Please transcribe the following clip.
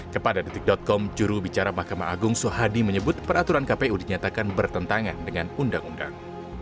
kepada detik com juru bicara mahkamah agung soehadi menyebut peraturan kpu dinyatakan bertentangan dengan undang undang